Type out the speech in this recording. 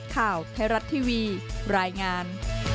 ข่าวไทยรัฐทีวีรายงาน